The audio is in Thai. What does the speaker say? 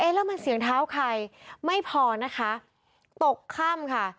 แล้วมันเสียงเท้าใครไม่พอนะคะตกค่ำค่ะ